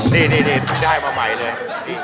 นี่ได้มาใหม่เลย